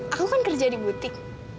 aku kan kerja di butik